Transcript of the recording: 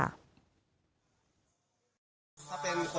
ถ้าเป็นคนธรรมดาอย่างคนทั่วไป